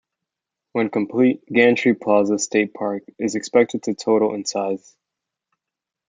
When complete, Gantry Plaza State Park is expected to total in size.